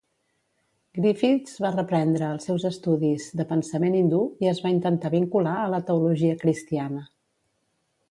Griffiths va reprendre els seus estudis de pensament hindú i es va intentar vincular a la teologia cristiana.